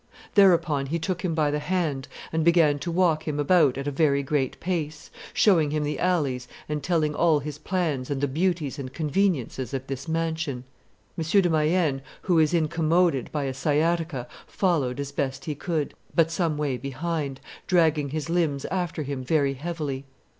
Thereupon he took him by the hand and began to walk him about at a very great pace, showing him the alleys and telling all his plans and the beauties and conveniences of this mansion. M. de Mayenne, who was incommoded by a sciatica, followed as best he could, but some way behind, dragging his limbs after him very heavily.